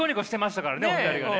お二人がね。